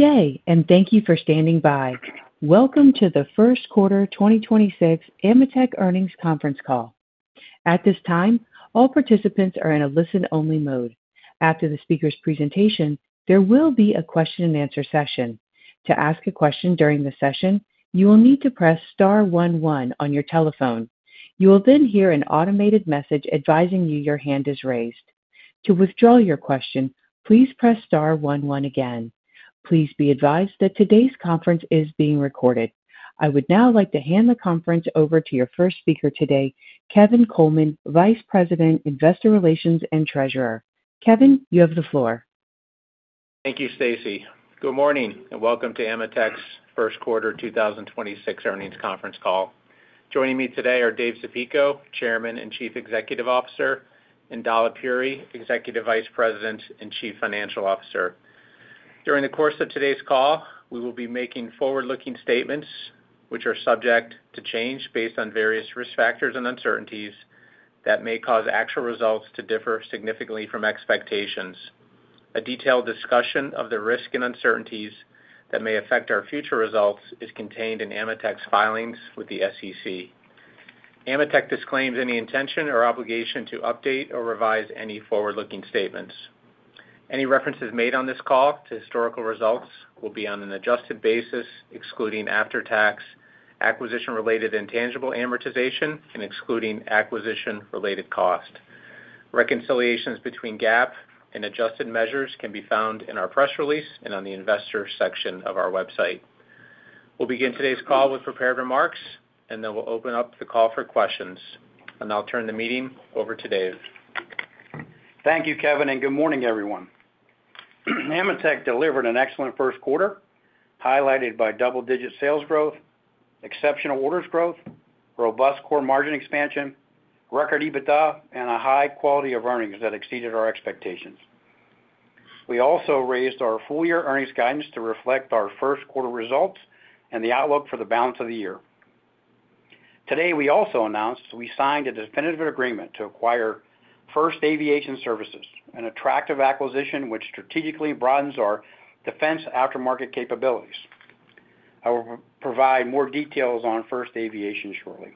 Day, thank you for standing by. Welcome to the first quarter 2026 AMETEK earnings conference call. At this time, all participants are in a listen-only mode. After the speaker's presentation, there will be a question-and-answer session. To ask a question during the session, you will need to press star one one on your telephone. You will hear an automated message advising you your hand is raised. To withdraw your question, please press star one one again. Please be advised that today's conference is being recorded. I would now like to hand the conference over to your first speaker today, Kevin Coleman, Vice President, Investor Relations, and Treasurer. Kevin, you have the floor. Thank you, Stacy. Good morning, and welcome to AMETEK's first quarter 2026 earnings conference call. Joining me today are David Zapico, Chairman and Chief Executive Officer, and Dalip Puri, Executive Vice President and Chief Financial Officer. During the course of today's call, we will be making forward-looking statements which are subject to change based on various risk factors and uncertainties that may cause actual results to differ significantly from expectations. A detailed discussion of the risks and uncertainties that may affect our future results is contained in AMETEK's filings with the SEC. AMETEK disclaims any intention or obligation to update or revise any forward-looking statements. Any references made on this call to historical results will be on an adjusted basis, excluding after-tax, acquisition-related intangible amortization, and excluding acquisition-related cost. Reconciliations between GAAP and adjusted measures can be found in our press release and on the investor section of our website. We'll begin today's call with prepared remarks, then we'll open up the call for questions. I'll turn the meeting over to Dave. Thank you, Kevin. Good morning, everyone. AMETEK delivered an excellent first quarter, highlighted by double-digit sales growth, exceptional orders growth, robust core margin expansion, record EBITDA, and a high quality of earnings that exceeded our expectations. We also raised our full-year earnings guidance to reflect our first quarter results and the outlook for the balance of the year. Today, we also announced we signed a definitive agreement to acquire First Aviation Services, an attractive acquisition which strategically broadens our defense aftermarket capabilities. I will provide more details on First Aviation shortly.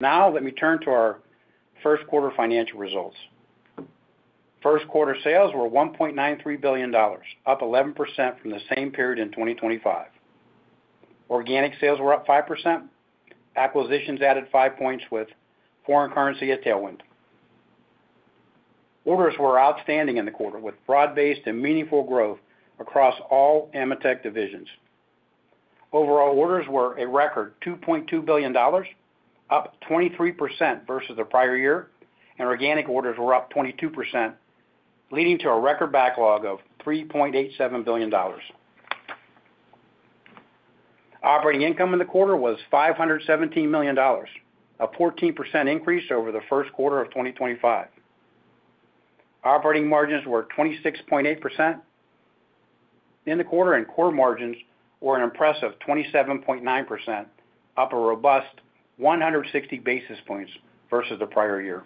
Let me turn to our first quarter financial results. First quarter sales were $1.93 billion, up 11% from the same period in 2025. Organic sales were up 5%. Acquisitions added 5 points, with foreign currency a tailwind. Orders were outstanding in the quarter, with broad-based and meaningful growth across all AMETEK divisions. Overall orders were a record $2.2 billion, up 23% versus the prior year, and organic orders were up 22%, leading to a record backlog of $3.87 billion. Operating income in the quarter was $517 million, a 14% increase over the first quarter of 2025. Operating margins were 26.8% in the quarter, and core margins were an impressive 27.9%, up a robust 160 basis points versus the prior year.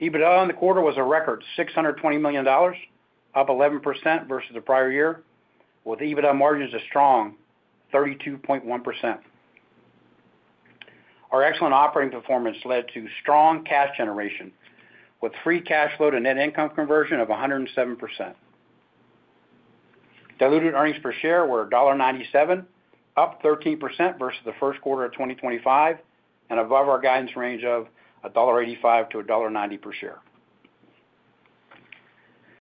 EBITDA in the quarter was a record $620 million, up 11% versus the prior year, with EBITDA margins a strong 32.1%. Our excellent operating performance led to strong cash generation, with free cash flow to net income conversion of 107%. Diluted earnings per share were $1.97, up 13% versus the first quarter of 2025, and above our guidance range of $1.85-$1.90 per share.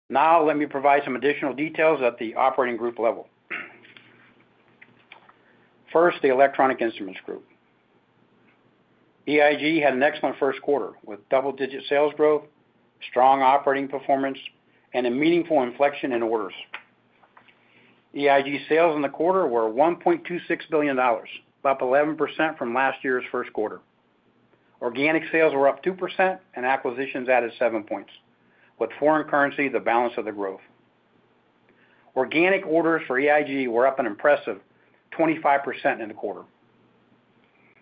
Let me provide some additional details at the operating group level. First, the Electronic Instruments Group. EIG had an excellent first quarter, with double-digit sales growth, strong operating performance, and a meaningful inflection in orders. EIG sales in the quarter were $1.26 billion, up 11% from last year's first quarter. Organic sales were up 2% and acquisitions added 7 points, with foreign currency the balance of the growth. Organic orders for EIG were up an impressive 25% in the quarter.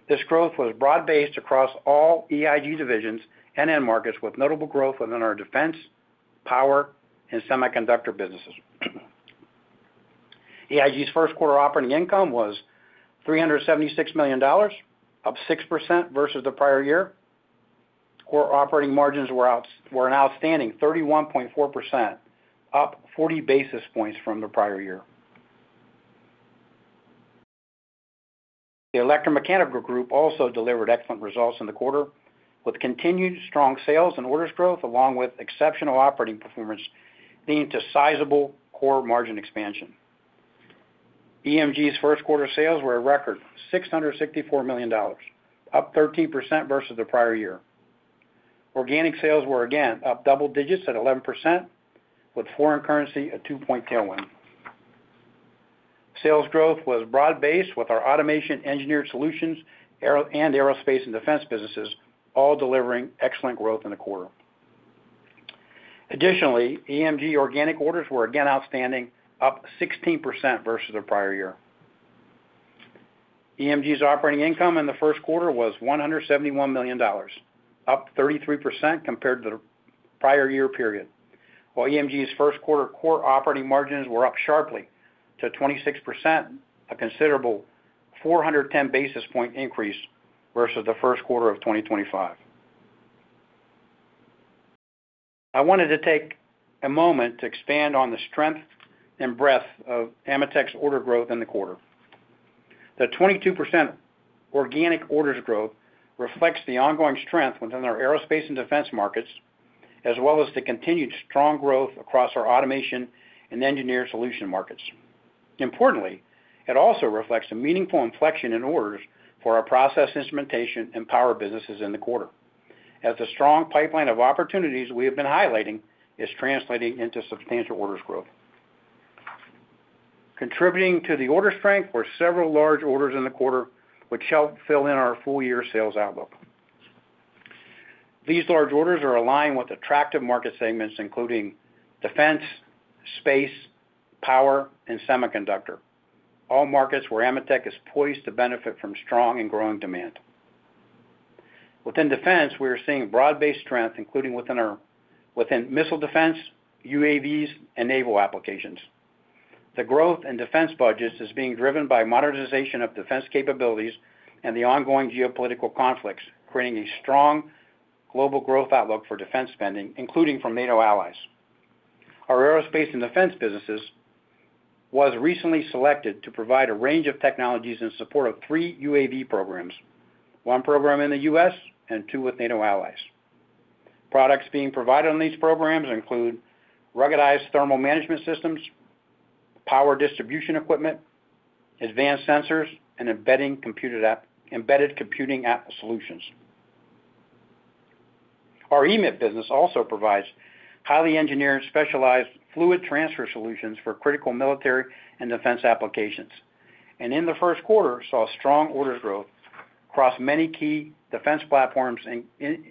This growth was broad-based across all EIG divisions and end markets, with notable growth within our defense, power, and semiconductor businesses. EIG's first quarter operating income was $376 million, up 6% versus the prior year. Core operating margins were an outstanding 31.4%, up 40 basis points from the prior year. The Electromechanical Group also delivered excellent results in the quarter, with continued strong sales and orders growth, along with exceptional operating performance, leading to sizable core margin expansion. EMG's first quarter sales were a record $664 million, up 13% versus the prior year. Organic sales were again up double digits at 11%, with foreign currency a 2-point tailwind. Sales growth was broad-based, with our automation, engineered solutions, and aerospace and defense businesses all delivering excellent growth in the quarter. Additionally, EMG organic orders were again outstanding, up 16% versus the prior year. EMG's operating income in the first quarter was $171 million, up 33% compared to the prior year period. While EMG's first quarter core operating margins were up sharply to 26%, a considerable 410 basis point increase versus the first quarter of 2025. I wanted to take a moment to expand on the strength and breadth of AMETEK's order growth in the quarter. The 22% organic orders growth reflects the ongoing strength within our aerospace and defense markets, as well as the continued strong growth across our automation and engineered solution markets. Importantly, it also reflects a meaningful inflection in orders for our process instrumentation and power businesses in the quarter, as the strong pipeline of opportunities we have been highlighting is translating into substantial orders growth. Contributing to the order strength were several large orders in the quarter which help fill in our full-year sales outlook. These large orders are aligned with attractive market segments, including defense, space, power, and semiconductor, all markets where AMETEK is poised to benefit from strong and growing demand. Within defense, we are seeing broad-based strength, including within missile defense, UAVs, and naval applications. The growth in defense budgets is being driven by modernization of defense capabilities and the ongoing geopolitical conflicts, creating a strong global growth outlook for defense spending, including from NATO allies. Our aerospace and defense businesses was recently selected to provide a range of technologies in support of three UAV programs, one program in the U.S. and two with NATO allies. Products being provided on these programs include ruggedized thermal management systems, power distribution equipment, advanced sensors, and embedded computing app solutions. Our EMIP business also provides highly engineered, specialized fluid transfer solutions for critical military and defense applications. In the first quarter, saw strong order growth across many key defense platforms,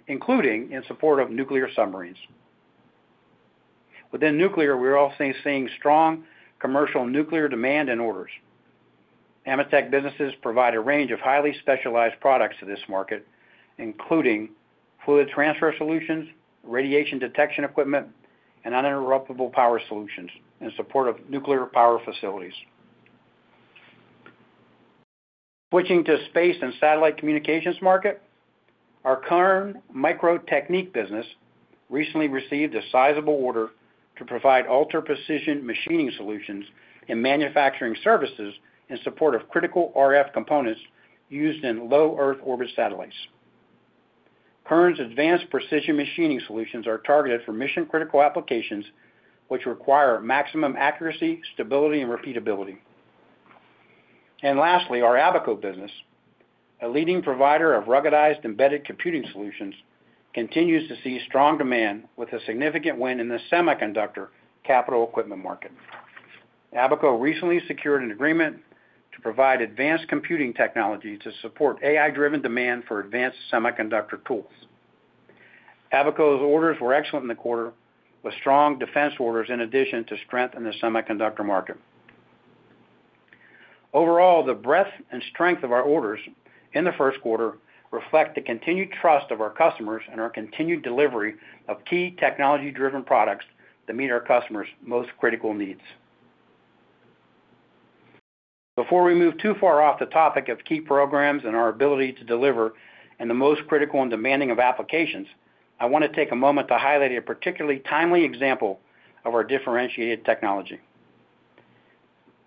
including in support of nuclear submarines. Within nuclear, we're also seeing strong commercial nuclear demand in orders. AMETEK businesses provide a range of highly specialized products to this market, including fluid transfer solutions, radiation detection equipment, and uninterruptible power solutions in support of nuclear power facilities. Switching to space and satellite communications market, our Kern Microtechnik business recently received a sizable order to provide ultra-precision machining solutions and manufacturing services in support of critical RF components used in low Earth orbit satellites. Kern's advanced precision machining solutions are targeted for mission-critical applications which require maximum accuracy, stability, and repeatability. Lastly, our Abaco business, a leading provider of ruggedized embedded computing solutions, continues to see strong demand with a significant win in the semiconductor capital equipment market. Abaco recently secured an agreement to provide advanced computing technology to support AI-driven demand for advanced semiconductor tools. Abaco's orders were excellent in the quarter, with strong defense orders in addition to strength in the semiconductor market. The breadth and strength of our orders in the first quarter reflect the continued trust of our customers and our continued delivery of key technology-driven products that meet our customers' most critical needs. Before we move too far off the topic of key programs and our ability to deliver in the most critical and demanding of applications, I want to take a moment to highlight a particularly timely example of our differentiated technology.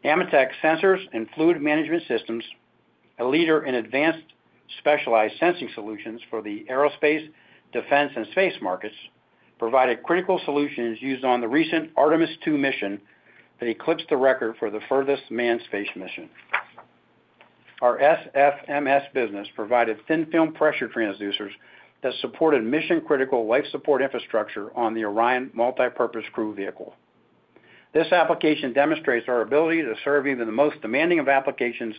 AMETEK Sensors and Fluid Management Systems, a leader in advanced specialized sensing solutions for the aerospace, defense, and space markets, provided critical solutions used on the recent Artemis II mission that eclipsed the record for the furthest manned space mission. Our SFMS business provided thin-film pressure transducers that supported mission-critical life support infrastructure on the Orion Multi-Purpose Crew Vehicle. This application demonstrates our ability to serve even the most demanding of applications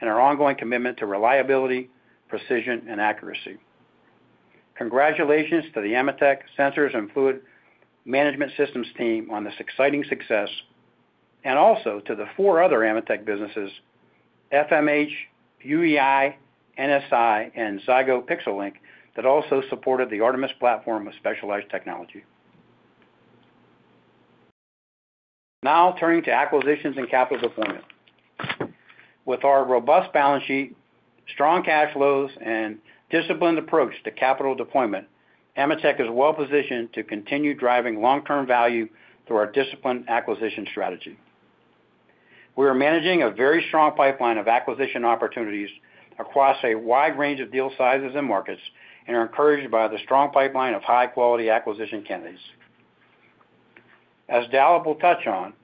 and our ongoing commitment to reliability, precision, and accuracy. Congratulations to the AMETEK Sensors and Fluid Management Systems team on this exciting success, and also to the four other AMETEK businesses, FMH, UEI, NSI, and Zygo, Pixelink, that also supported the Artemis platform with specialized technology. Now, turning to acquisitions and capital deployment. With our robust balance sheet, strong cash flows, and disciplined approach to capital deployment, AMETEK is well-positioned to continue driving long-term value through our disciplined acquisition strategy. We are managing a very strong pipeline of acquisition opportunities across a wide range of deal sizes and markets and are encouraged by the strong pipeline of high-quality acquisition candidates. As Dal will touch on,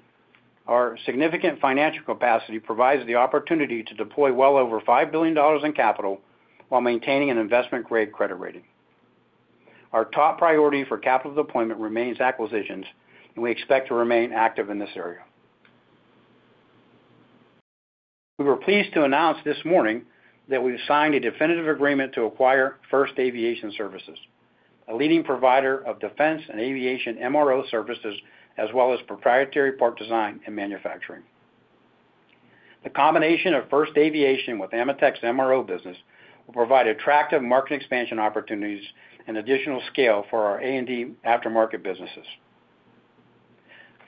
our significant financial capacity provides the opportunity to deploy well over $5 billion in capital while maintaining an investment-grade credit rating. Our top priority for capital deployment remains acquisitions, and we expect to remain active in this area. We were pleased to announce this morning that we've signed a definitive agreement to acquire First Aviation Services, a leading provider of defense and aviation MRO services, as well as proprietary part design and manufacturing. The combination of First Aviation with AMETEK's MRO business will provide attractive market expansion opportunities and additional scale for our A&D aftermarket businesses.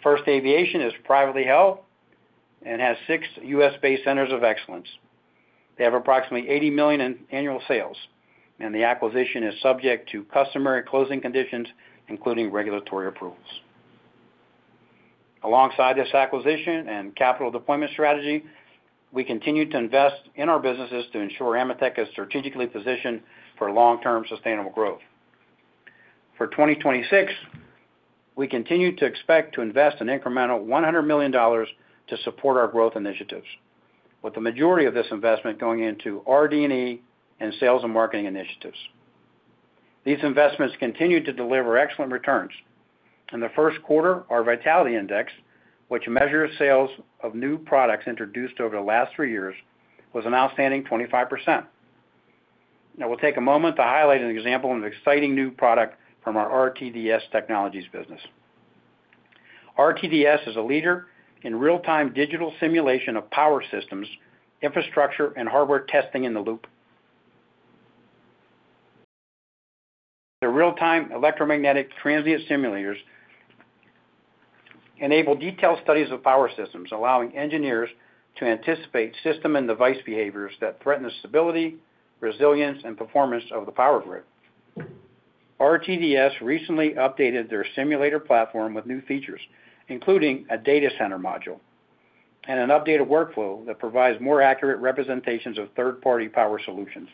First Aviation is privately held and has six U.S.-based centers of excellence. They have approximately $80 million in annual sales. The acquisition is subject to customer closing conditions, including regulatory approvals. Alongside this acquisition and capital deployment strategy, we continue to invest in our businesses to ensure AMETEK is strategically positioned for long-term sustainable growth. For 2026, we continue to expect to invest an incremental $100 million to support our growth initiatives, with the majority of this investment going into RD&E and sales and marketing initiatives. These investments continue to deliver excellent returns. In the first quarter, our vitality index, which measures sales of new products introduced over the last three years, was an outstanding 25%. We'll take a moment to highlight an example of an exciting new product from our RTDS Technologies business. RTDS is a leader in real-time digital simulation of power systems, infrastructure, and hardware testing in the loop. Their real-time electromagnetic transient simulators enable detailed studies of power systems, allowing engineers to anticipate system and device behaviors that threaten the stability, resilience, and performance of the power grid. RTDS recently updated their simulator platform with new features, including a data center module and an updated workflow that provides more accurate representations of third-party power solutions.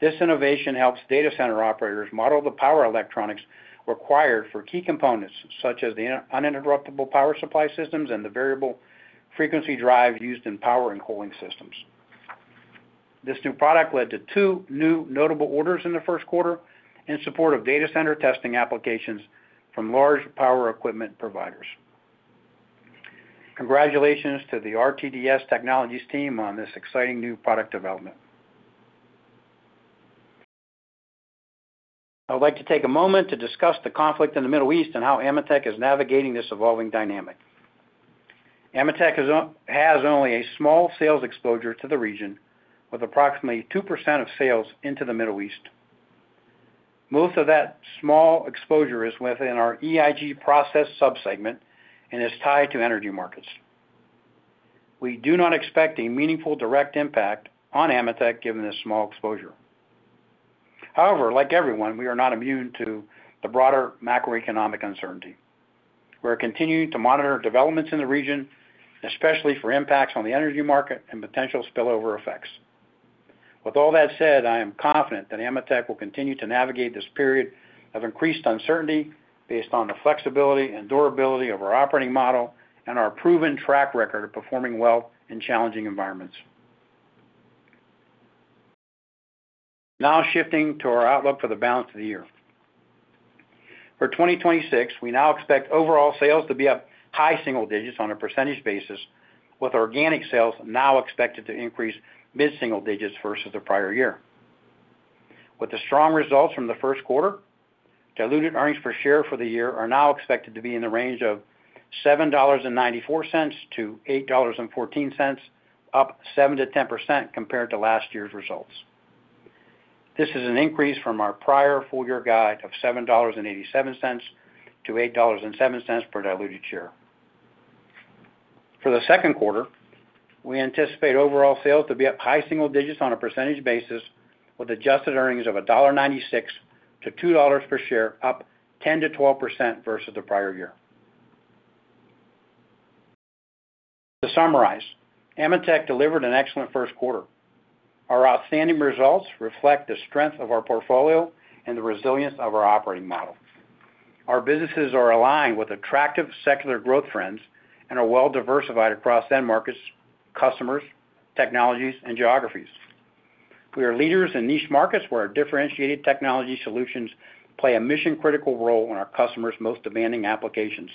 This innovation helps data center operators model the power electronics required for key components, such as the uninterruptible power supply systems and the variable frequency drive used in power and cooling systems. This new product led to two new notable orders in the first quarter in support of data center testing applications from large power equipment providers. Congratulations to the RTDS Technologies team on this exciting new product development. I'd like to take a moment to discuss the conflict in the Middle East and how AMETEK is navigating this evolving dynamic. AMETEK has only a small sales exposure to the region, with approximately 2% of sales into the Middle East. Most of that small exposure is within our EIG process sub-segment and is tied to energy markets. We do not expect a meaningful direct impact on AMETEK given this small exposure. However, like everyone, we are not immune to the broader macroeconomic uncertainty. We are continuing to monitor developments in the region, especially for impacts on the energy market and potential spillover effects. With all that said, I am confident that AMETEK will continue to navigate this period of increased uncertainty based on the flexibility and durability of our operating model and our proven track record of performing well in challenging environments. Shifting to our outlook for the balance of the year. For 2026, we now expect overall sales to be up high single digits on a percentage basis, with organic sales now expected to increase mid-single digits versus the prior year. With the strong results from the first quarter, diluted earnings per share for the year are now expected to be in the range of $7.94-$8.14, up 7%-10% compared to last year's results. This is an increase from our prior full-year guide of $7.87-$8.07 per diluted share. For the second quarter, we anticipate overall sales to be up high single digits on a percentage basis, with adjusted earnings of $1.96-$2.00 per share, up 10%-12% versus the prior year. To summarize, AMETEK delivered an excellent first quarter. Our outstanding results reflect the strength of our portfolio and the resilience of our operating model. Our businesses are aligned with attractive secular growth trends and are well-diversified across end markets, customers, technologies, and geographies. We are leaders in niche markets where our differentiated technology solutions play a mission-critical role in our customers' most demanding applications.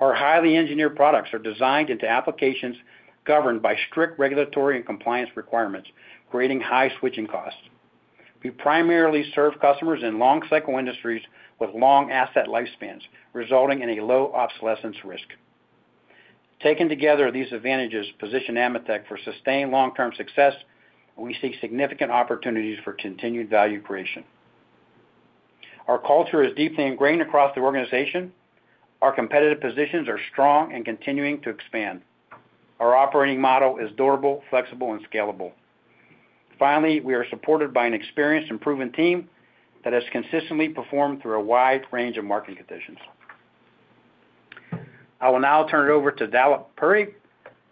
Our highly engineered products are designed into applications governed by strict regulatory and compliance requirements, creating high switching costs. We primarily serve customers in long-cycle industries with long asset lifespans, resulting in a low obsolescence risk. Taken together, these advantages position AMETEK for sustained long-term success, and we see significant opportunities for continued value creation. Our culture is deeply ingrained across the organization. Our competitive positions are strong and continuing to expand. Our operating model is durable, flexible, and scalable. Finally, we are supported by an experienced and proven team that has consistently performed through a wide range of market conditions. I will now turn it over to Dalip Puri,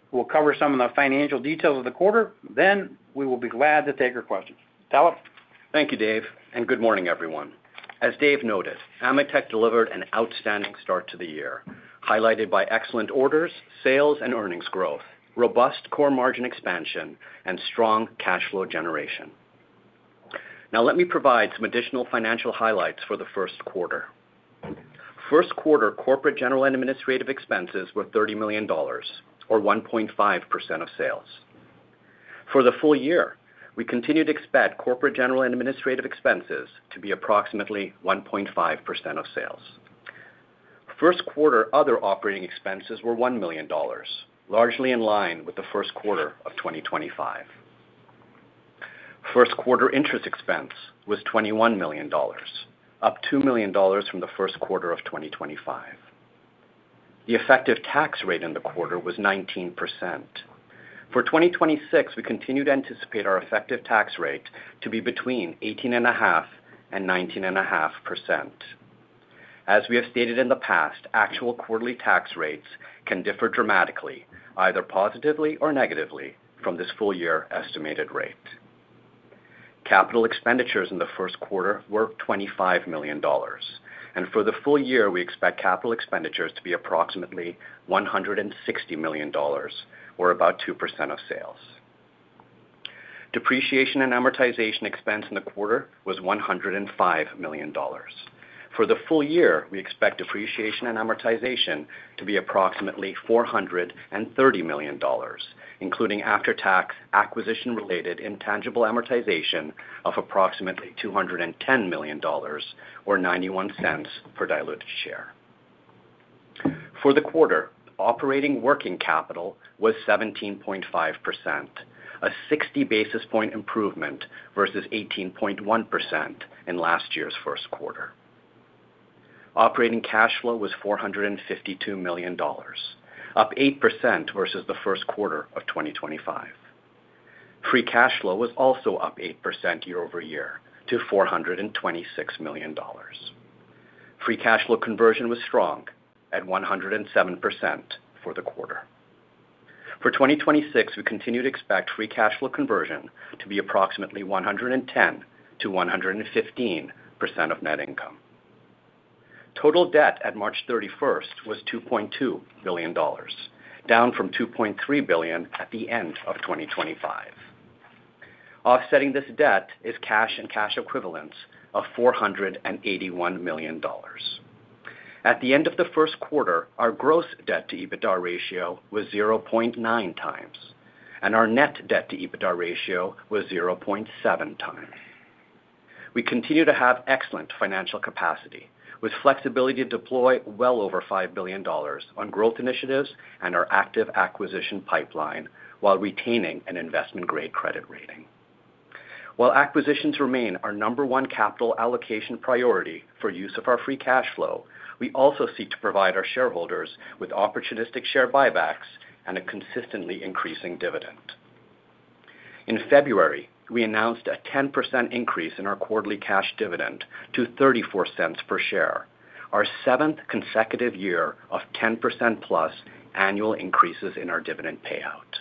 who will cover some of the financial details of the quarter, then we will be glad to take your questions. Dalip? Thank you, Dave, and good morning, everyone. As Dave noted, AMETEK delivered an outstanding start to the year, highlighted by excellent orders, sales, and earnings growth, robust core margin expansion, and strong cash flow generation. Let me provide some additional financial highlights for the first quarter. First quarter corporate general and administrative expenses were $30 million, or 1.5% of sales. For the full year, we continue to expect corporate general and administrative expenses to be approximately 1.5% of sales. First quarter other operating expenses were $1 million, largely in line with the first quarter of 2025. First quarter interest expense was $21 million, up $2 million from the first quarter of 2025. The effective tax rate in the quarter was 19%. For 2026, we continue to anticipate our effective tax rate to be between 18.5% and 19.5%. As we have stated in the past, actual quarterly tax rates can differ dramatically, either positively or negatively, from this full year estimated rate. Capital expenditures in the first quarter were $25 million. For the full year, we expect capital expenditures to be approximately $160 million, or about 2% of sales. Depreciation and amortization expense in the quarter was $105 million. For the full year, we expect depreciation and amortization to be approximately $430 million, including after-tax acquisition-related intangible amortization of approximately $210 million, or $0.91 per diluted share. For the quarter, operating working capital was 17.5%, a 60 basis point improvement versus 18.1% in last year's first quarter. Operating cash flow was $452 million, up 8% versus the first quarter of 2025. Free cash flow was also up 8% year-over-year to $426 million. Free cash flow conversion was strong at 107% for the quarter. For 2026, we continue to expect free cash flow conversion to be approximately 110%-115% of net income. Total debt at March 31st was $2.2 billion, down from $2.3 billion at the end of 2025. Offsetting this debt is cash and cash equivalents of $481 million. At the end of the first quarter, our gross debt to EBITDA ratio was 0.9x, and our net debt to EBITDA ratio was 0.7x. We continue to have excellent financial capacity, with flexibility to deploy well over $5 billion on growth initiatives and our active acquisition pipeline while retaining an investment-grade credit rating. While acquisitions remain our number one capital allocation priority for use of our free cash flow, we also seek to provide our shareholders with opportunistic share buybacks and a consistently increasing dividend. In February, we announced a 10% increase in our quarterly cash dividend to $0.34 per share, our seventh consecutive year of 10%+ annual increases in our dividend payout.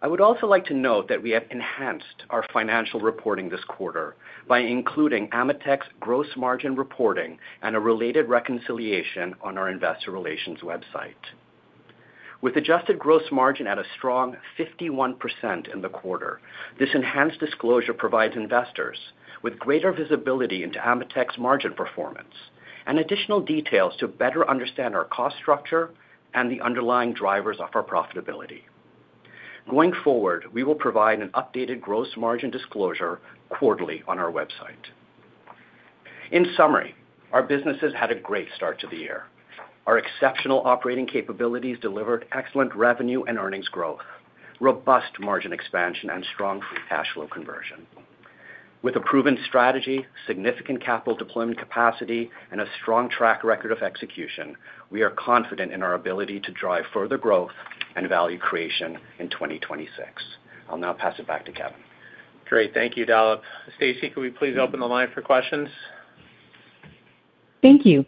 I would also like to note that we have enhanced our financial reporting this quarter by including AMETEK's gross margin reporting and a related reconciliation on our Investor Relations website. With adjusted gross margin at a strong 51% in the quarter, this enhanced disclosure provides investors with greater visibility into AMETEK's margin performance and additional details to better understand our cost structure and the underlying drivers of our profitability. Going forward, we will provide an updated gross margin disclosure quarterly on our website. In summary, our businesses had a great start to the year. Our exceptional operating capabilities delivered excellent revenue and earnings growth, robust margin expansion, and strong free cash flow conversion. With a proven strategy, significant capital deployment capacity, and a strong track record of execution, we are confident in our ability to drive further growth and value creation in 2026. I'll now pass it back to Kevin. Great. Thank you, Dalip. Stacy, could we please open the line for questions? Thank you.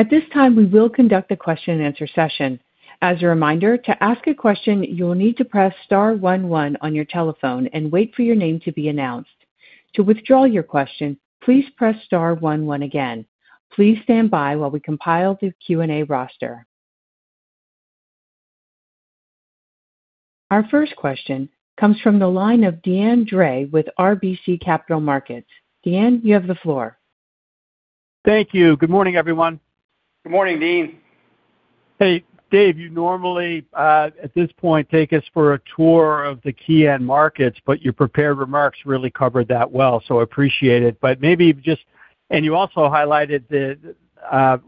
At this time, we will conduct a question and answer session. As a reminder, to ask a question, you will need to press star one one on your telephone and wait for your name to be announced. To withdraw your question, please press star one one again. Please stand by while we compile the Q&A roster. Our first question comes from the line of Deane Dray with RBC Capital Markets. Deane, you have the floor. Thank you. Good morning, everyone. Good morning, Deane. Hey, Dave, you normally at this point, take us for a tour of the key end markets, but your prepared remarks really covered that well, so I appreciate it. And you also highlighted the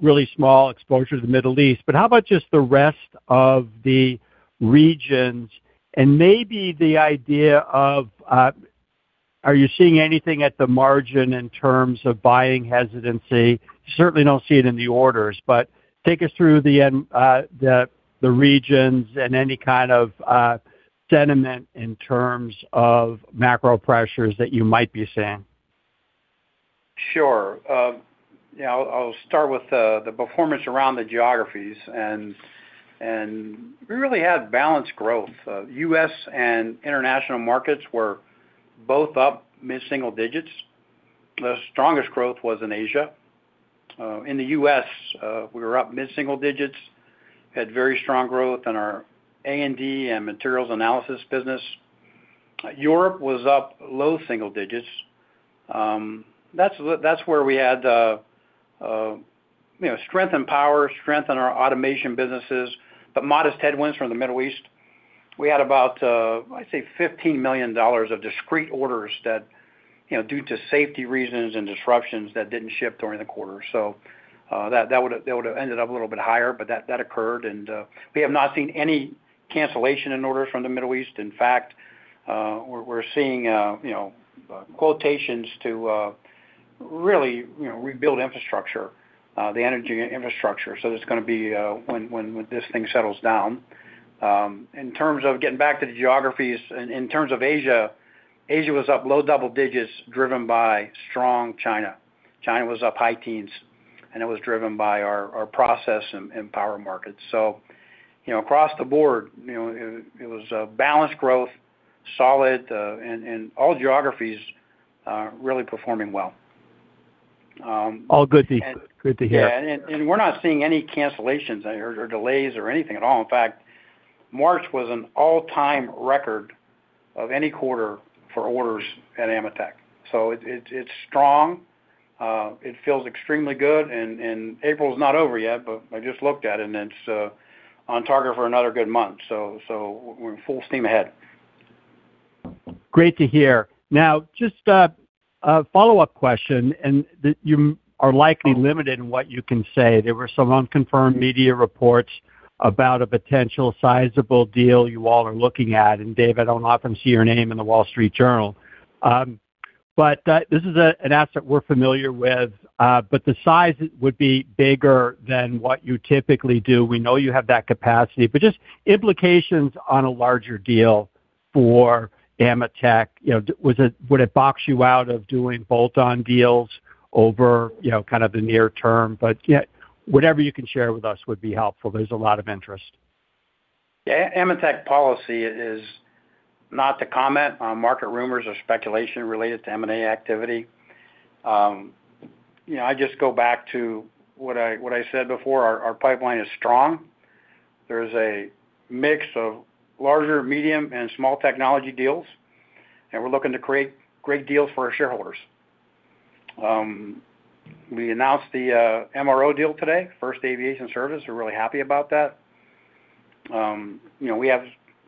really small exposure to the Middle East. How about just the rest of the regions and maybe the idea of, are you seeing anything at the margin in terms of buying hesitancy? Certainly don't see it in the orders, but take us through the regions and any kind of sentiment in terms of macro pressures that you might be seeing. Sure. I'll start with the performance around the geographies. We really had balanced growth. U.S. and international markets were both up mid-single digits. The strongest growth was in Asia. In the U.S., we were up mid-single digits. We had very strong growth in our A&D and materials analysis business. Europe was up low single digits. That's where we had, you know, strength in power, strength in our automation businesses, but modest headwinds from the Middle East. We had about, I'd say $15 million of discrete orders that, you know, due to safety reasons and disruptions that didn't ship during the quarter. That would've ended up a little bit higher, but that occurred and we have not seen any cancellation in orders from the Middle East. In fact, we're seeing, you know, quotations to really, you know, rebuild infrastructure, the energy infrastructure. It's gonna be when this thing settles down. In terms of getting back to the geographies, in terms of Asia was up low double digits, driven by strong China. China was up high teens, and it was driven by our process in power markets. You know, across the board, you know, it was a balanced growth, solid, and all geographies really performing well. All good to hear. Yeah, we're not seeing any cancellations or delays or anything at all. In fact, March was an all-time record of any quarter for orders at AMETEK. It, it's strong. It feels extremely good, and April's not over yet, but I just looked at it and it's on target for another good month. So we're in full steam ahead. Great to hear. Just a follow-up question, you are likely limited in what you can say. There were some unconfirmed media reports about a potential sizable deal you all are looking at. David, I don't often see your name in The Wall Street Journal. This is an asset we're familiar with, but the size would be bigger than what you typically do. We know you have that capacity, but just implications on a larger deal for AMETEK. You know, would it box you out of doing bolt-on deals over, you know, kind of the near term? Whatever you can share with us would be helpful. There's a lot of interest. AMETEK policy is not to comment on market rumors or speculation related to M&A activity. You know, I just go back to what I said before. Our pipeline is strong. There's a mix of larger, medium, and small technology deals, and we're looking to create great deals for our shareholders. We announced the MRO deal today, First Aviation Services. We're really happy about that. You know, we have,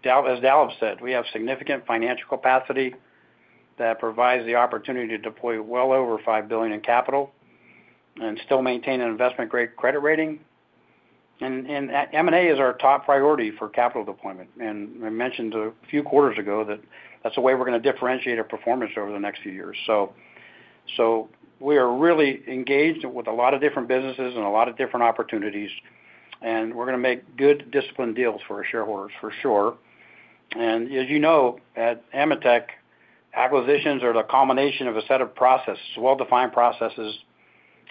Dalip, as Dalip have said, we have significant financial capacity that provides the opportunity to deploy well over $5 billion in capital and still maintain an investment-grade credit rating. M&A is our top priority for capital deployment. We mentioned a few quarters ago that that's the way we're gonna differentiate our performance over the next few years. So, we are really engaged with a lot of different businesses and a lot of different opportunities, we're gonna make good disciplined deals for our shareholders, for sure. As you know, at AMETEK, acquisitions are the combination of a set of process, well-defined processes.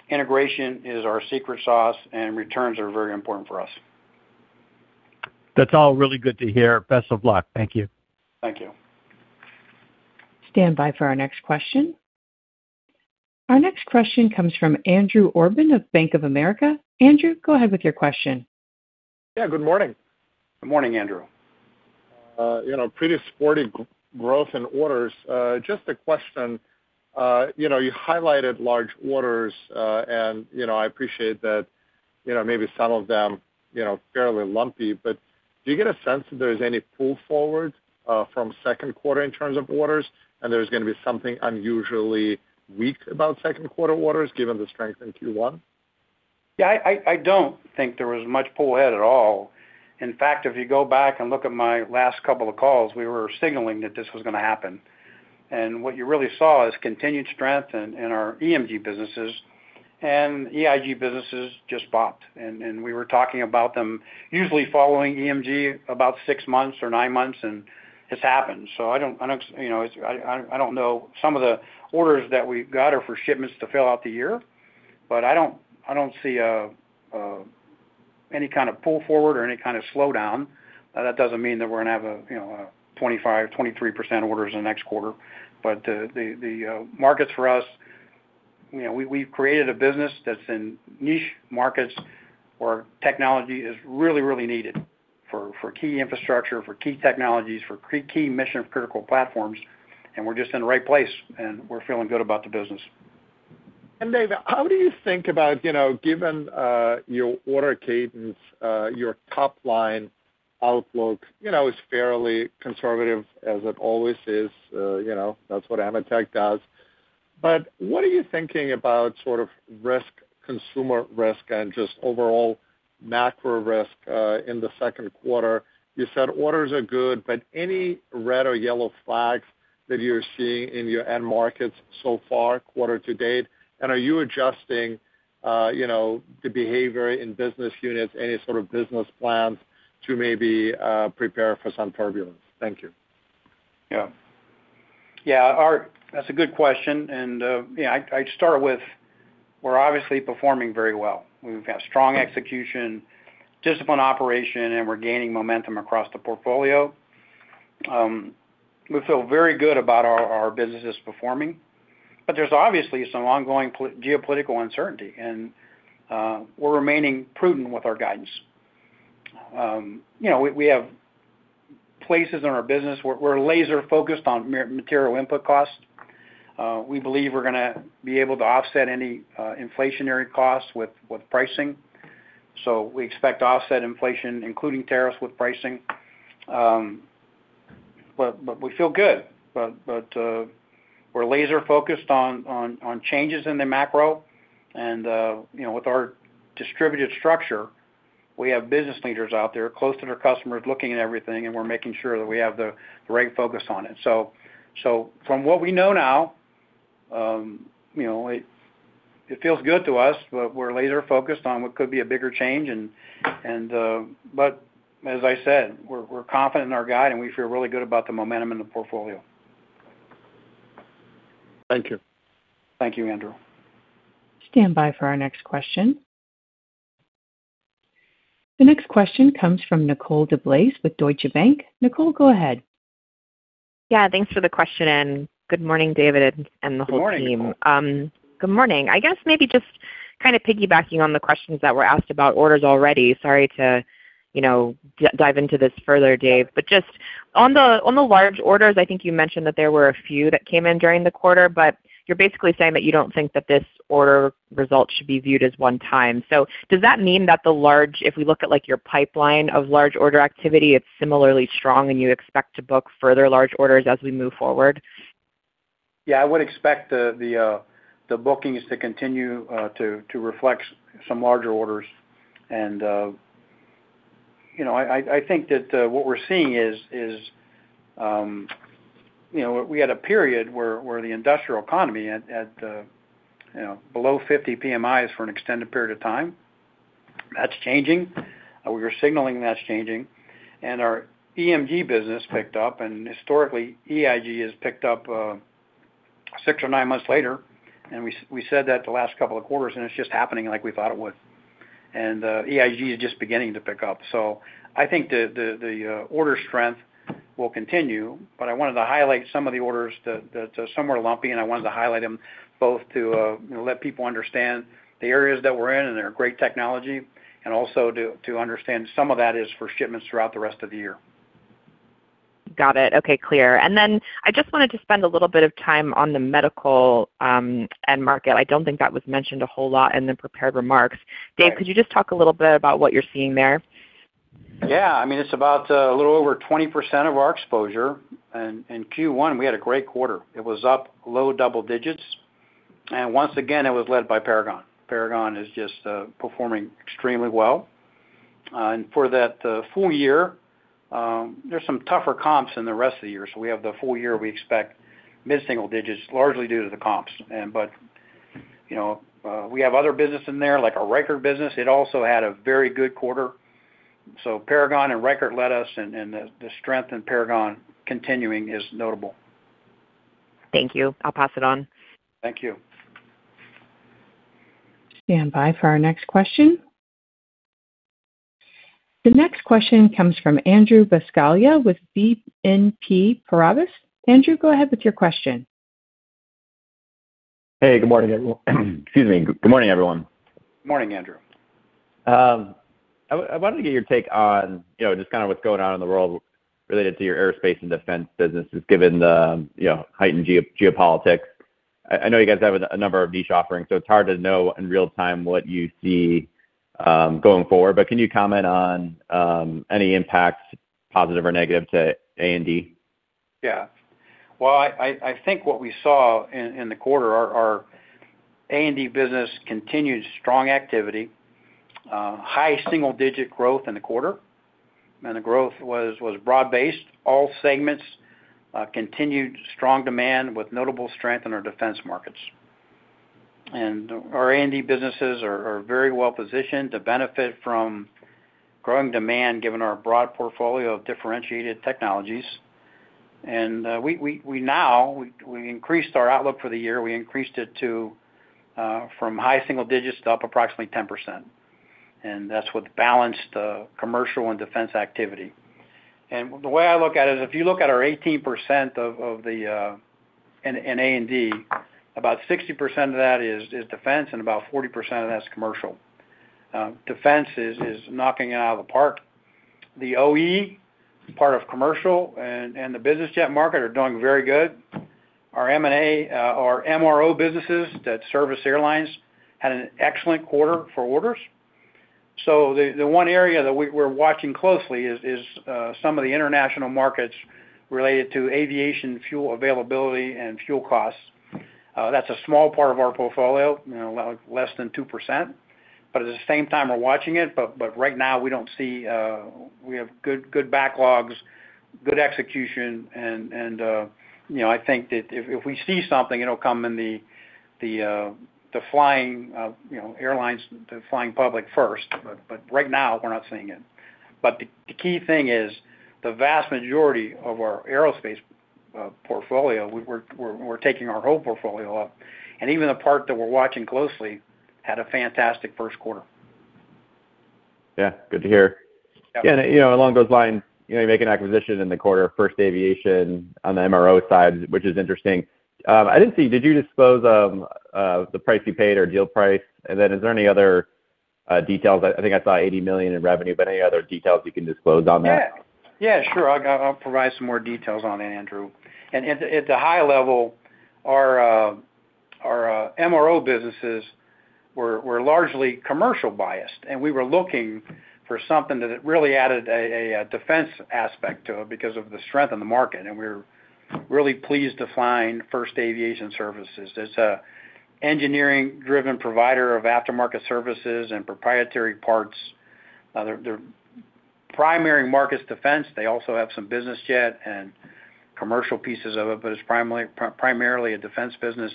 Integration is our secret sauce, returns are very important for us. That's all really good to hear. Best of luck. Thank you. Thank you. Stand by for our next question. Our next question comes from Andrew Obin of Bank of America. Andrew, go ahead with your question. Yeah, good morning. Good morning, Andrew. You know, pretty sporty growth in orders. Just a question. You know, you highlighted large orders, and, you know, I appreciate that, you know, maybe some of them, you know, fairly lumpy. Do you get a sense if there's any pull forward from second quarter in terms of orders, and there's gonna be something unusually weak about second quarter orders given the strength in Q1? Yeah, I don't think there was much pull ahead at all. In fact, if you go back and look at my last couple of calls, we were signaling that this was gonna happen. What you really saw is continued strength in our EMG businesses and EIG businesses just popped. We were talking about them usually following EMG about six months or nine months, and it's happened. I don't, you know, I don't know some of the orders that we've got are for shipments to fill out the year, but I don't see any kind of pull forward or any kind of slowdown. That doesn't mean that we're gonna have a, you know, a 25%, 23% orders in the next quarter. The markets for us, you know, we've created a business that's in niche markets where technology is really needed for key infrastructure, for key technologies, for key mission critical platforms, and we're just in the right place, and we're feeling good about the business. Dave, how do you think about, you know, given your order cadence, your top-line outlook, you know, is fairly conservative, as it always is, you know, that's what AMETEK does. What are you thinking about sort of risk, consumer risk, and just overall macro risk in the second quarter? You said orders are good, but any red or yellow flags that you're seeing in your end markets so far, quarter to date? Are you adjusting, you know, the behavior in business units, any sort of business plans to maybe prepare for some turbulence? Thank you. Yeah. Yeah. That's a good question. Yeah, I'd start with, we're obviously performing very well. We've had strong execution, disciplined operation, and we're gaining momentum across the portfolio. We feel very good about our businesses performing, but there's obviously some ongoing geopolitical uncertainty, and we're remaining prudent with our guidance. You know, we have places in our business where we're laser-focused on material input costs. We believe we're gonna be able to offset any inflationary costs with pricing. We expect to offset inflation, including tariffs, with pricing. But we feel good. We're laser-focused on changes in the macro and, you know, with our distributed structure, we have business leaders out there close to their customers, looking at everything, and we're making sure that we have the right focus on it. From what we know now, you know, it feels good to us, we're laser-focused on what could be a bigger change. As I said, we're confident in our guide, we feel really good about the momentum in the portfolio. Thank you. Thank you, Andrew. Stand by for our next question. The next question comes from Nicole DeBlase with Deutsche Bank. Nicole, go ahead. Yeah, thanks for the question, and good morning, David and the whole team. Good morning, Nicole. Good morning. I guess maybe just kind of piggybacking on the questions that were asked about orders already, sorry to, you know, dive into this further, David. Just on the, on the large orders, I think you mentioned that there were a few that came in during the quarter, but you're basically saying that you don't think that this order result should be viewed as one time. Does that mean that the large, if we look at, like, your pipeline of large order activity, it's similarly strong and you expect to book further large orders as we move forward? Yeah, I would expect the bookings to continue to reflect some larger orders. You know, I think that what we're seeing is, you know, we had a period where the industrial economy at, you know, below 50 PMIs for an extended period of time. That's changing. We were signaling that's changing. Our EMG business picked up, and historically, EIG has picked up six or nine months later. We said that the last two quarters, and it's just happening like we thought it would. EIG is just beginning to pick up. I think the order strength will continue, but I wanted to highlight some of the orders that some were lumpy, and I wanted to highlight them both to, you know, let people understand the areas that we're in and their great technology and also to understand some of that is for shipments throughout the rest of the year. Got it. Okay. Clear. I just wanted to spend a little bit of time on the medical end market. I don't think that was mentioned a whole lot in the prepared remarks. Right. Dave, could you just talk a little bit about what you're seeing there? Yeah. I mean, it's about a little over 20% of our exposure. In Q1, we had a great quarter. It was up low double digits. Once again, it was led by Paragon. Paragon is just performing extremely well. For that full year, there's some tougher comps in the rest of the year. We have the full year, we expect mid-single digits, largely due to the comps. You know, we have other business in there, like our Reichert business. It also had a very good quarter. Paragon and Reichert led us, and the strength in Paragon continuing is notable. Thank you. I'll pass it on. Thank you. Stand by for our next question. The next question comes from Andrew Buscaglia with BNP Paribas. Andrew, go ahead with your question. Hey, good morning, everyone. Excuse me. Good morning, everyone. Morning, Andrew. I wanted to get your take on, you know, just kind of what's going on in the world related to your aerospace and defense businesses, given the, you know, heightened geopolitics. I know you guys have a number of niche offerings, so it's hard to know in real time what you see going forward. Can you comment on any impacts, positive or negative to A&D? Yeah. Well, I think what we saw in the quarter, our A&D business continued strong activity. High single-digit growth in the quarter, the growth was broad-based. All segments continued strong demand with notable strength in our defense markets. Our A&D businesses are very well positioned to benefit from growing demand, given our broad portfolio of differentiated technologies. We now increased our outlook for the year. We increased it to from high single digits to up approximately 10%, that's with balanced commercial and defense activity. The way I look at it is, if you look at our 18% of the in A&D, about 60% of that is defense, about 40% of that's commercial. Defense is knocking it out of the park. The OE part of commercial and the business jet market are doing very good. Our M&A, our MRO businesses that service airlines had an excellent quarter for orders. The one area that we're watching closely is some of the international markets related to aviation fuel availability and fuel costs. That's a small part of our portfolio, you know, like less than 2%. At the same time, we're watching it. Right now, we don't see. We have good backlogs, good execution, and, you know, I think that if we see something, it'll come in the flying, you know, airlines, the flying public first. Right now, we're not seeing it. The key thing is the vast majority of our aerospace portfolio, we're taking our whole portfolio up, and even the part that we're watching closely had a fantastic first quarter. Yeah. Good to hear. Yeah. You know, along those lines, you know, you make an acquisition in the quarter, First Aviation on the MRO side, which is interesting. I didn't see, did you disclose the price you paid or deal price? Then is there any other details? I think I saw $80 million in revenue, but any other details you can disclose on that? Yeah. Yeah, sure. I'll provide some more details on it, Andrew. At the high level, our MRO businesses were largely commercial biased, and we were looking for something that had really added a defense aspect to it because of the strength in the market. We were really pleased to find First Aviation Services. It's a engineering-driven provider of aftermarket services and proprietary parts. Their primary market's defense. They also have some business jet and commercial pieces of it, but it's primarily a defense business.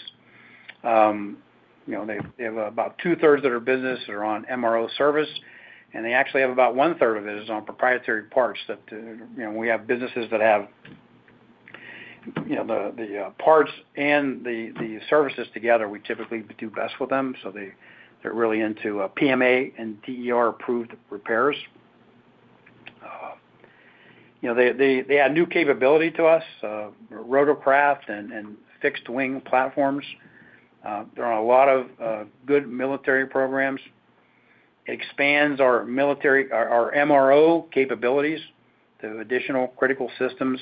You know, they have about two-thirds of their business are on MRO service, and they actually have about one-third of it is on proprietary parts that, you know, we have businesses that have the parts and the services together. We typically do best with them, so they're really into PMA and DER-approved repairs. You know, they add new capability to us, rotorcraft and fixed-wing platforms. There are a lot of good military programs. It expands our MRO capabilities to additional critical systems.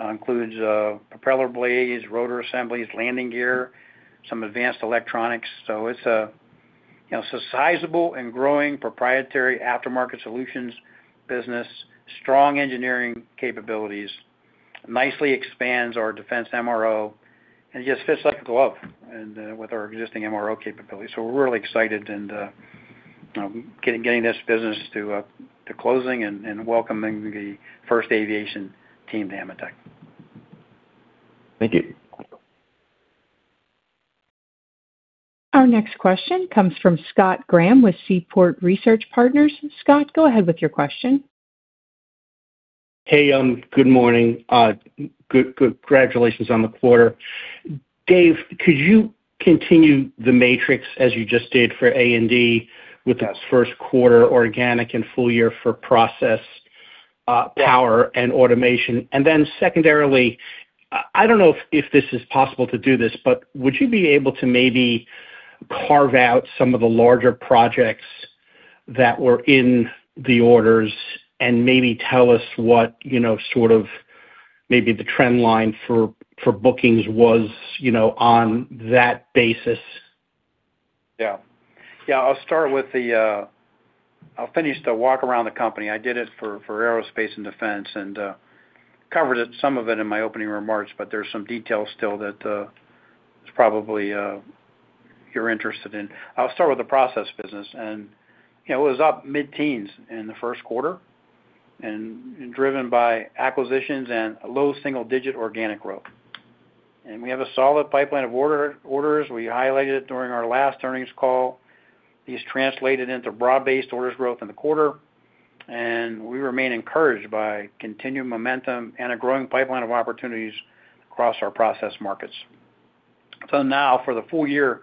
Includes propeller blades, rotor assemblies, landing gear, some advanced electronics. It's a, you know, it's a sizable and growing proprietary aftermarket solutions business, strong engineering capabilities, nicely expands our defense MRO, and it just fits like a glove with our existing MRO capabilities. We're really excited and getting this business to closing and welcoming the First Aviation team to AMETEK. Thank you. Our next question comes from Scott Graham with Seaport Research Partners. Scott, go ahead with your question. Hey, good morning. Congratulations on the quarter. Dave, could you continue the matrix as you just did for A&D with this first quarter organic and full year for process, power and automation? Secondarily, I don't know if this is possible to do this, but would you be able to maybe carve out some of the larger projects that were in the orders and maybe tell us what, you know, sort of maybe the trend line for bookings was, you know, on that basis? Yeah. Yeah, I'll start with the, I'll finish the walk around the company. I did it for aerospace and defense, covered it, some of it in my opening remarks, but there's some details still that is probably you're interested in. I'll start with the process business. You know, it was up mid-teens in the first quarter and driven by acquisitions and low single-digit organic growth. We have a solid pipeline of orders we highlighted during our last earnings call. These translated into broad-based orders growth in the quarter, and we remain encouraged by continued momentum and a growing pipeline of opportunities across our process markets. Now for the full year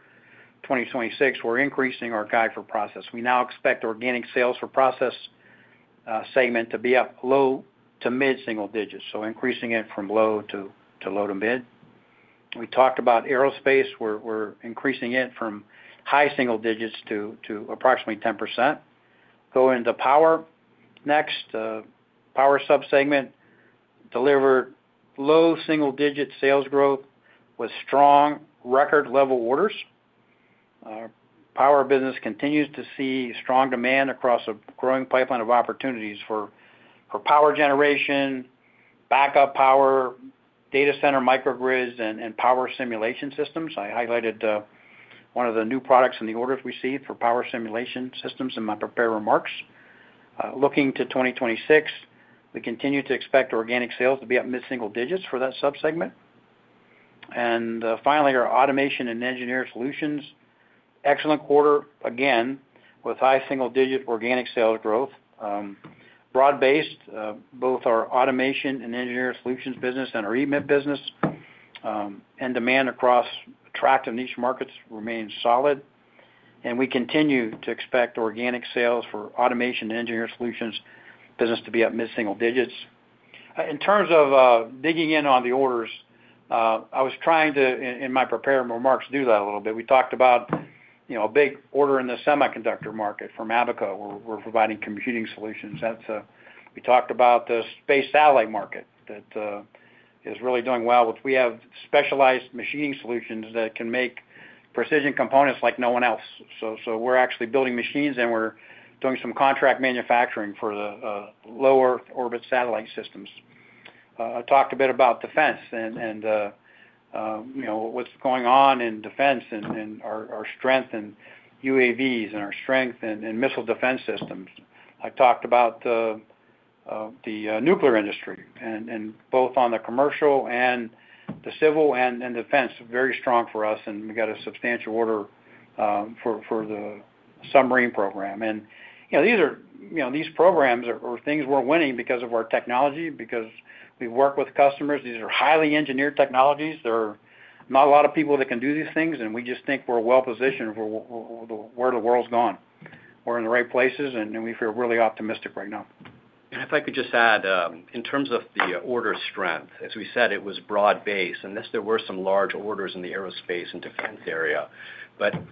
2026, we're increasing our guide for process. We now expect organic sales for process segment to be up low to mid-single digits, so increasing it from low to low to mid. We talked about aerospace. We're increasing it from high single digits to approximately 10%. Go into power next. Power sub-segment delivered low single-digit sales growth with strong record-level orders. Our power business continues to see strong demand across a growing pipeline of opportunities for power generation, backup power, data center microgrids, and power simulation systems. I highlighted one of the new products in the orders we see for power simulation systems in my prepared remarks. Looking to 2026, we continue to expect organic sales to be up mid-single digits for that sub-segment. Finally, our automation and engineering solutions, excellent quarter again with high single-digit organic sales growth. Broad-based, both our automation and engineering solutions business and our eMet business, demand across attractive niche markets remains solid. We continue to expect organic sales for automation and engineering solutions business to be up mid-single digits. In terms of digging in on the orders, I was trying to, in my prepared remarks, do that a little bit. We talked about, you know, a big order in the semiconductor market from Abaco, where we're providing computing solutions. That's, we talked about the space satellite market that is really doing well, which we have specialized machining solutions that can make precision components like no one else. We're actually building machines, and we're doing some contract manufacturing for the low Earth orbit satellite systems. I talked a bit about defense and, you know, what's going on in defense and our strength in UAVs and our strength in missile defense systems. I talked about the nuclear industry and both on the commercial and the civil and defense, very strong for us, and we got a substantial order for the submarine program. You know, these are, you know, these programs are things we're winning because of our technology, because we work with customers. These are highly engineered technologies. There are not a lot of people that can do these things, and we just think we're well-positioned for where the world's going. We're in the right places, and we feel really optimistic right now. If I could just add, in terms of the order strength, as we said, it was broad-based, unless there were some large orders in the aerospace and defense area.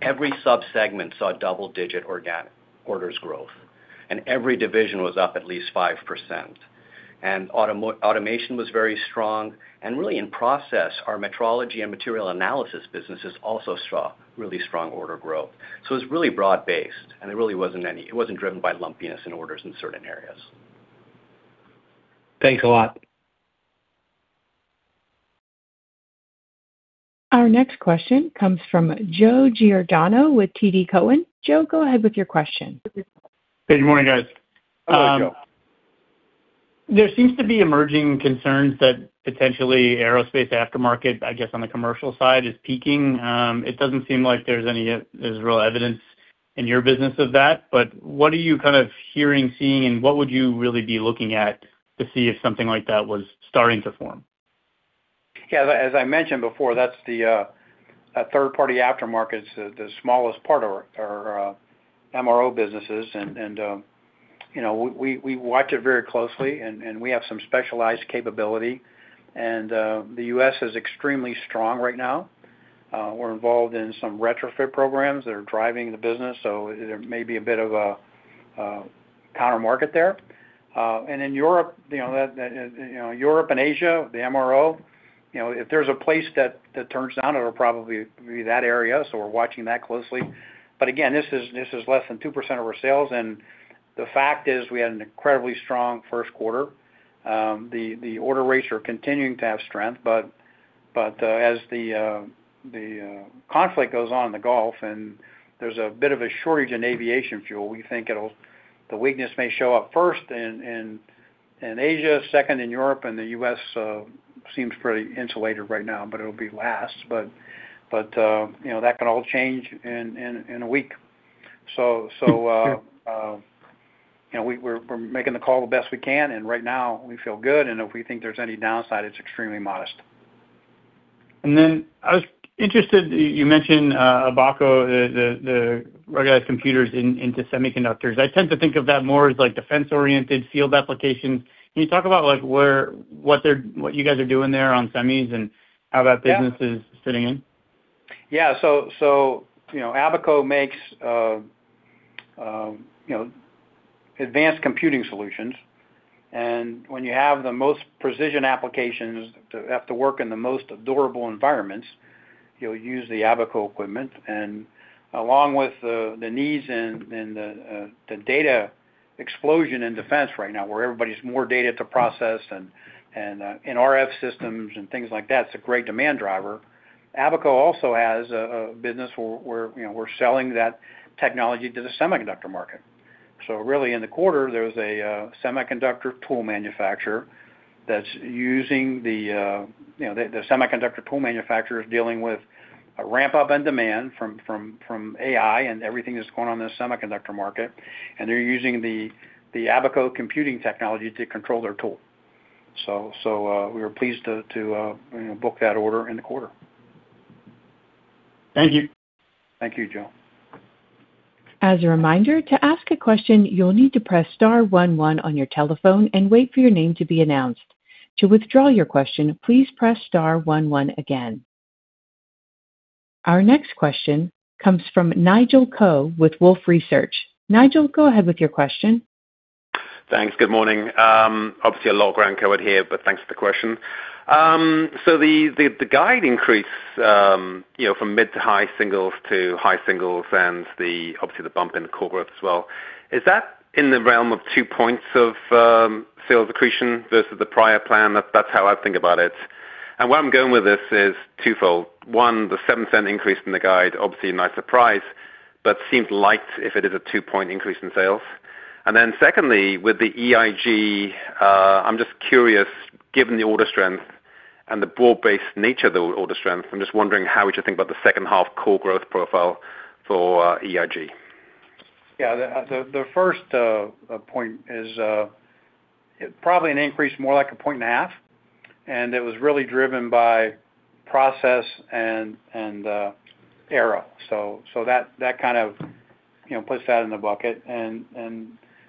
Every sub-segment saw double-digit organic orders growth, and every division was up at least 5%. Automation was very strong. Really in process, our metrology and material analysis businesses also saw really strong order growth. It's really broad-based, and it really wasn't any. It wasn't driven by lumpiness in orders in certain areas. Thanks a lot. Our next question comes from Joe Giordano with TD Cowen. Joe, go ahead with your question. Good morning, guys. Hello, Joe. There seems to be emerging concerns that potentially aerospace aftermarket, I guess, on the commercial side is peaking. It doesn't seem like there's any real evidence in your business of that. What are you kind of hearing, seeing, and what would you really be looking at to see if something like that was starting to form? Yeah, as I mentioned before, that's the that third party aftermarket's the smallest part of our MRO businesses. You know, we watch it very closely and we have some specialized capability. The U.S. is extremely strong right now. We're involved in some retrofit programs that are driving the business, so there may be a bit of a counter-market there. In Europe, you know, that, you know, Europe and Asia, the MRO, you know, if there's a place that turns down, it'll probably be that area, so we're watching that closely. Again, this is less than 2% of our sales. The fact is we had an incredibly strong first quarter. The order rates are continuing to have strength, but as the conflict goes on in the Gulf and there's a bit of a shortage in aviation fuel, we think the weakness may show up first in Asia, second in Europe, and the U.S. seems pretty insulated right now, but it'll be last. You know, that can all change in a week. So. Sure. You know, we're making the call the best we can, and right now we feel good. If we think there's any downside, it's extremely modest. I was interested, you mentioned Abaco, the regular computers into semiconductors. I tend to think of that more as like defense-oriented field applications. Can you talk about like where, what they're, what you guys are doing there on semis and how that business is fitting in? Yeah. You know, Abaco makes, you know, advanced computing solutions. When you have the most precision applications to, that have to work in the most durable environments, you'll use the Abaco equipment. Along with the needs in the data explosion in defense right now, where everybody's more data to process and, in RF systems and things like that, it's a great demand driver. Abaco also has a business where, you know, we're selling that technology to the semiconductor market. Really in the quarter, there was a semiconductor tool manufacturer that's using the, you know, the semiconductor tool manufacturer is dealing with a ramp-up in demand from AI and everything that's going on in the semiconductor market, and they're using the Abaco computing technology to control their tool. We were pleased to, you know, book that order in the quarter. Thank you. Thank you, Joe. As a reminder, to ask a question, you will need to press star one one on your telephone and wait for your name to be announced. To withdraw your question, please press star one one again. Our next question comes from Nigel Coe with Wolfe Research. Nigel, go ahead with your question. Thanks. Good morning. Obviously a lot of ground covered here, but thanks for the question. The guide increase, you know, from mid to high singles to high singles and obviously the bump in core growth as well, is that in the realm of 2 points of sales accretion versus the prior plan? That's how I'd think about it. Where I'm going with this is twofold. One, the $0.07 increase in the guide, obviously a nice surprise, but seems light if it is a 2-point increase in sales. Then secondly, with the EIG, I'm just curious, given the order strength and the broad-based nature of the order strength, I'm just wondering how would you think about the second half core growth profile for EIG? Yeah. The first point is probably an increase more like a point and a half, it was really driven by process and Aero. That kind of, you know, puts that in the bucket.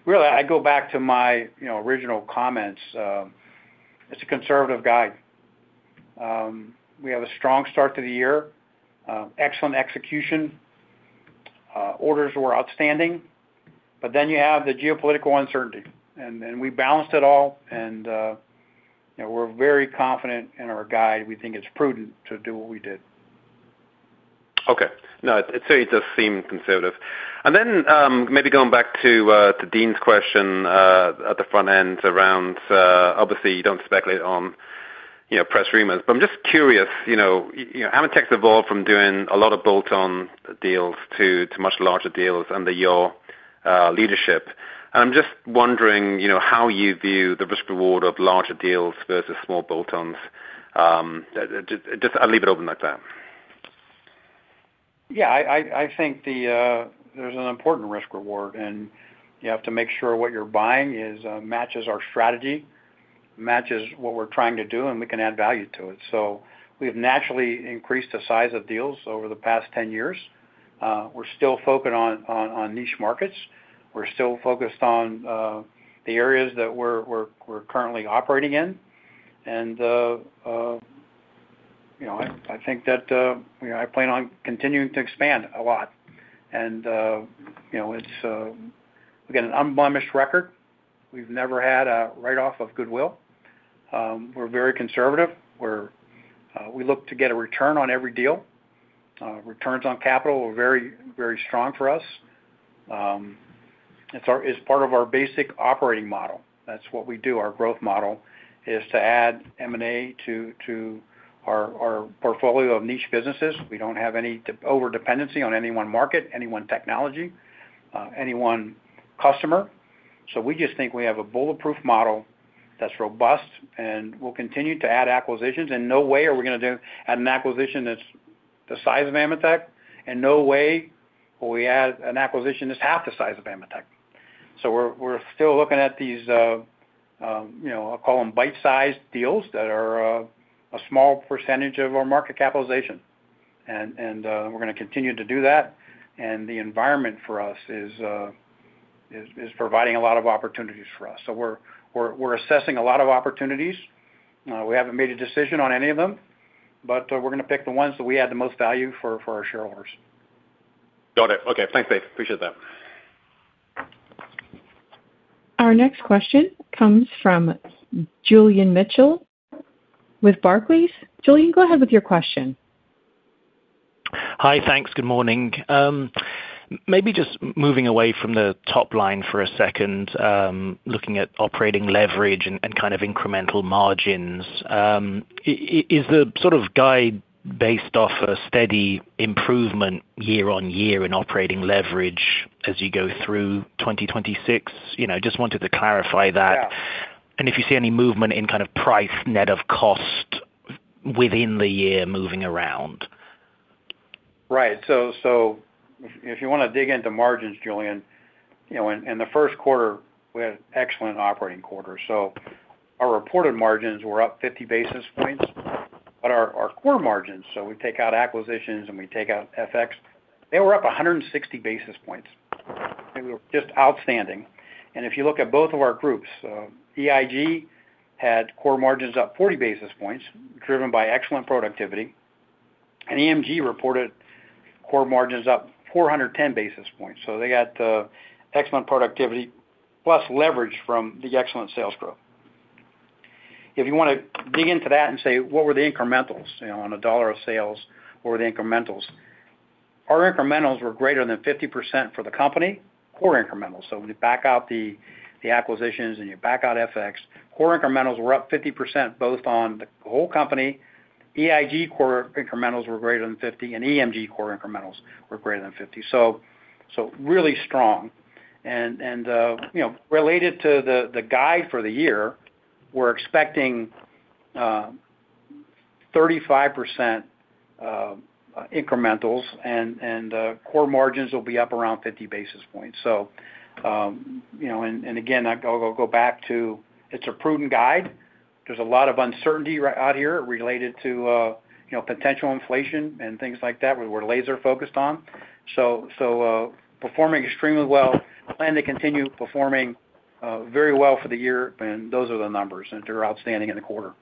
Really, I go back to my, you know, original comments. It's a conservative guide. We have a strong start to the year, excellent execution. Orders were outstanding, you have the geopolitical uncertainty. We balanced it all and, you know, we're very confident in our guide. We think it's prudent to do what we did. Okay. No, it certainly does seem conservative. Then, maybe going back to Deane's question at the front end around, obviously, you don't speculate on, you know, press rumors. I'm just curious, you know, AMETEK's evolved from doing a lot of bolt-on deals to much larger deals under your leadership. I'm just wondering, you know, how you view the risk reward of larger deals versus small bolt-ons. Just I'll leave it open like that. I think there's an important risk reward, and you have to make sure what you're buying is matches our strategy, matches what we're trying to do, and we can add value to it. We have naturally increased the size of deals over the past 10 years. We're still focused on niche markets. We're still focused on the areas that we're currently operating in. You know, I think that, you know, I plan on continuing to expand a lot. You know, it's, we got an unblemished record. We've never had a write-off of goodwill. We're very conservative. We look to get a return on every deal. Returns on capital are very, very strong for us. It's part of our basic operating model. That's what we do. Our growth model is to add M&A to our portfolio of niche businesses. We don't have any over-dependency on any one market, any one technology, any one customer. We just think we have a bulletproof model that's robust, and we'll continue to add acquisitions. In no way are we gonna add an acquisition that's the size of AMETEK, and no way will we add an acquisition that's half the size of AMETEK. We're still looking at these, I'll call them bite-sized deals that are a small percentage of our market capitalization. We're gonna continue to do that. The environment for us is providing a lot of opportunities for us. We're assessing a lot of opportunities. We haven't made a decision on any of them, but we're gonna pick the ones that we add the most value for our shareholders. Got it. Okay, thanks, Dave. Appreciate that. Our next question comes from Julian Mitchell with Barclays. Julian, go ahead with your question. Hi. Thanks. Good morning. Maybe just moving away from the top line for a second, looking at operating leverage and kind of incremental margins. Is the sort of guide based off a steady improvement year-over-year in operating leverage as you go through 2026? You know, just wanted to clarify that. Yeah. If you see any movement in kind of price net of cost within the year moving around. Right. So if you want to dig into margins, Julian, in the first quarter, we had excellent operating quarter. Our core margins, so we take out acquisitions and we take out FX, they were up 160 basis points. They were just outstanding. If you look at both of our groups, EIG had core margins up 40 basis points, driven by excellent productivity. EMG reported core margins up 410 basis points. They got excellent productivity, plus leverage from the excellent sales growth. If you want to dig into that and say, "What were the incrementals? On a dollar of sales, what were the incrementals?" Our incrementals were greater than 50% for the company. When you back out the acquisitions and you back out FX, core incrementals were up 50%, both on the whole company. EIG core incrementals were greater than 50, and EMG core incrementals were greater than 50. Really strong. You know, related to the guide for the year, we're expecting 35% incrementals and core margins will be up around 50 basis points. You know, again, I'll go back to it's a prudent guide. There's a lot of uncertainty out here related to, you know, potential inflation and things like that, we're laser-focused on. Performing extremely well. Plan to continue performing very well for the year, and those are the numbers, and they're outstanding in the quarter.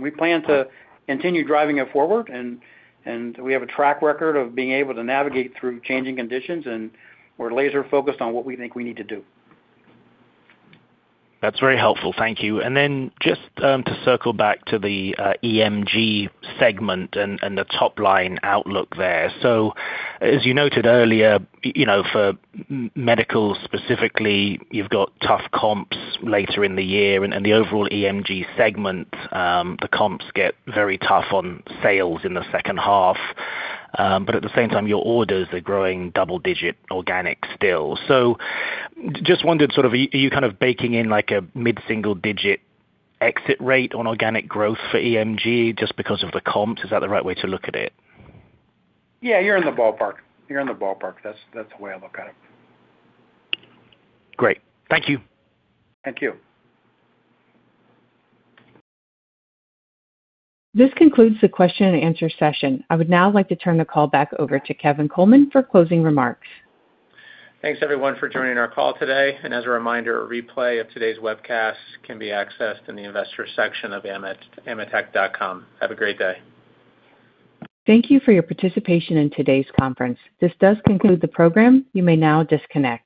We plan to continue driving it forward, and we have a track record of being able to navigate through changing conditions, and we're laser-focused on what we think we need to do. That's very helpful. Thank you. To circle back to the EMG segment and the top-line outlook there. As you noted earlier, you know, for medical specifically, you've got tough comps later in the year. The overall EMG segment, the comps get very tough on sales in the second half. At the same time, your orders are growing double-digit organic still. Just wondered sort of are you kind of baking in like a mid-single-digit exit rate on organic growth for EMG just because of the comps? Is that the right way to look at it? Yeah, you're in the ballpark. You're in the ballpark. That's the way I look at it. Great. Thank you. Thank you. This concludes the question and answer session. I would now like to turn the call back over to Kevin Coleman for closing remarks. Thanks everyone for joining our call today. As a reminder, a replay of today's webcast can be accessed in the investor section of ametek.com. Have a great day. Thank you for your participation in today's conference. This does conclude the program. You may now disconnect.